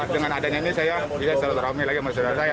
dengan adanya ini saya bisa selalu rame lagi sama saudara saya